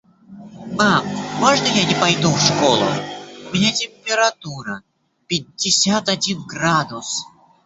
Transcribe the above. Мам, можно я не пойду в школу? У меня температура, пятьдесят один градус!